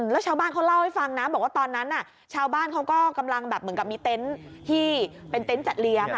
แล้วชาวบ้านเขาเล่าให้ฟังนะบอกว่าตอนนั้นชาวบ้านเขาก็กำลังแบบเหมือนกับมีเต็นต์ที่เป็นเต็นต์จัดเลี้ยง